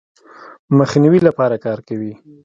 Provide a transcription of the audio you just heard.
مخنیوي لپاره کار کوي.